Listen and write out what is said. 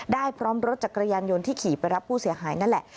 พร้อมรถจักรยานยนต์ที่ขี่ไปรับผู้เสียหายนั่นแหละ